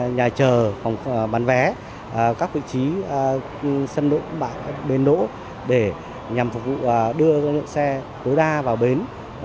nhà chờ phòng bán vé các vị trí sân đỗ các bến đỗ để nhằm phục vụ đưa lượng xe tối đa vào bến